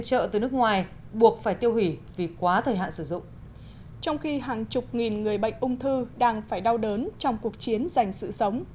trong khi hàng chục nghìn người bệnh ung thư đang phải đau đớn trong cuộc chiến dành sự sống